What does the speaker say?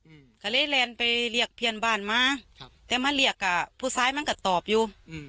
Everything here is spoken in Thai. อืมก็เลยเรียนไปเรียกเพียรบ้านมาครับแต่มันเรียกกับผู้ซ้ายมันก็ตอบอยู่อืม